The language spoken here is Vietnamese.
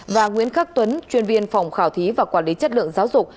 và nguyễn khắc tuấn chuyên viên phòng khảo thí và quản lý chất lượng giáo dục